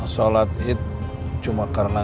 solat id cuma karena